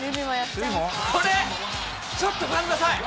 これ、ちょっとご覧ください。